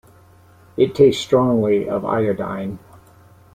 It tastes strongly of iodine.